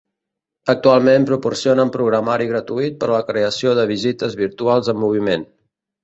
Actualment proporcionen programari gratuït per a la creació de visites virtuals en moviment.